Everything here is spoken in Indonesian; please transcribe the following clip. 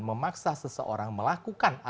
memaksa seseorang melakukan tindakan